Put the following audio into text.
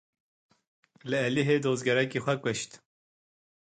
Li Êlihê dozgerekî xwe kuşt.